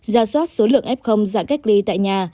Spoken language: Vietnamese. ra soát số lượng f dạng cách ly tại nhà